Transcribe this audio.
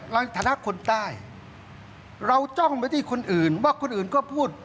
ในฐานะคนใต้เราจ้องไปที่คนอื่นว่าคนอื่นก็พูด